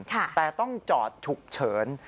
แต่ต้องจอดฉุกเฉิน